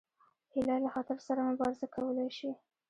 هیلۍ له خطر سره مبارزه کولی شي